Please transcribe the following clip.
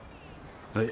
はい。